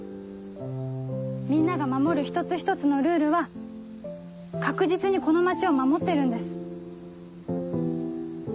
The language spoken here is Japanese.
みんなが守る一つ一つのルールは確実にこの街を守ってるんです。